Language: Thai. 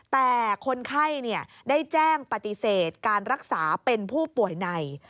แต่คนไข้ได้แจ้งปฏิเสธการรักษาเป็นผู้ป่วยใน